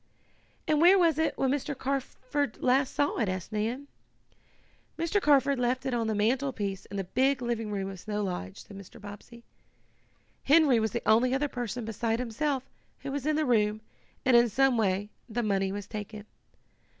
"And where was it when Mr. Carford last saw it?" asked Nan. "Mr. Carford left it on the mantlepiece in the big living room of Snow Lodge," said Mr. Bobbsey. "Henry was the only other person, beside himself, who was in the room, and in some way the money was taken.